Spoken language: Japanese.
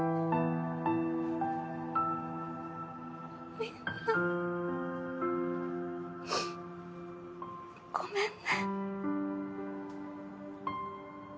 みんなごめんね。